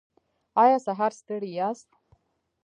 ایا سهار ستړي یاست؟